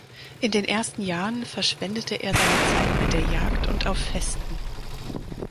In den ersten Jahren verschwendete er seine Zeit mit der Jagd und auf Festen.